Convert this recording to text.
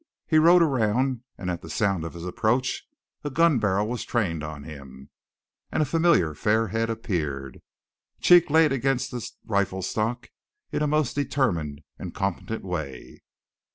He rode around, and at the sound of his approach a gun barrel was trained on him, and a familiar fair head appeared, cheek laid against the rifle stock in a most determined and competent way.